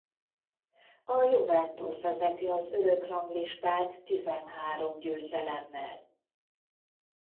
A Juventus vezeti az örökranglistát tizenhárom győzelemmel.